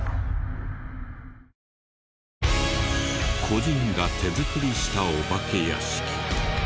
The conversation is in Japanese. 個人が手作りしたお化け屋敷。